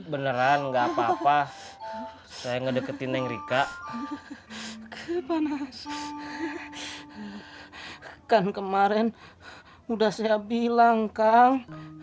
beneran nggak papa saya ngedeketin yang rika kepanasan kan kemarin udah saya bilang kang